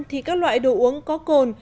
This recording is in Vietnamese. thì các loại đồ uống có cồn